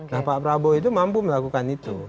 nah pak prabowo itu mampu melakukan itu